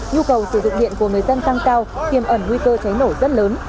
nhu cầu sử dụng điện của người dân tăng cao tiềm ẩn nguy cơ cháy nổ rất lớn